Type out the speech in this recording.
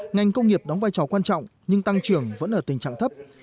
ngành công nghiệp đóng vai trò quan trọng nhưng tăng trưởng vẫn ở tình trạng thấp